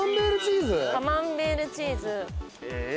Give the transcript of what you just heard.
カマンベールチーズ。